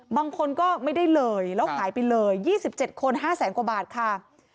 บางคนก็ไม่ได้เลยแล้วหายไปเลยยี่สิบเจ็ดคนห้าแสนกว่าบาทค่ะ